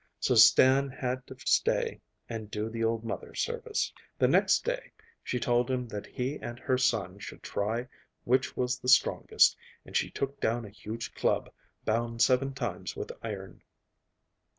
So Stan had to stay and do the old mother service. The next day she told him that he and her son should try which was the strongest, and she took down a huge club, bound seven times with iron.